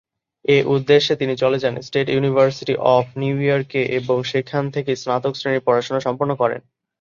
এ উদ্দেশ্যে তিনি চলে যান স্টেট ইউনিভার্সিটি অফ নিউ ইয়র্ক-এ এবং সেখান থেকেই স্নাতক শ্রেণীর পড়াশোনা সম্পন্ন করেন।